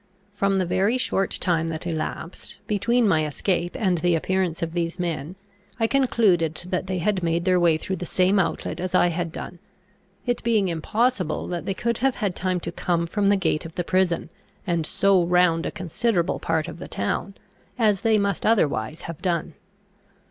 From the very short time that elapsed, between my escape and the appearance of these men, I concluded that they had made their way through the same outlet as I had done, it being impossible that they could have had time to come, from the gate of the prison, and so round a considerable part of the town, as they must otherwise have done.